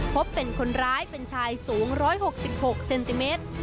พบเป็นคนร้ายเป็นชายสูงร้อยหกสิบหกเซนติเมตร